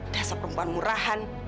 dasar perempuan murahan